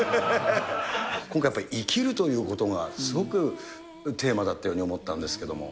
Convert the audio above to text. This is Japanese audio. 今回、やっぱり、生きるということが、すごくテーマだと思ったんですけれども。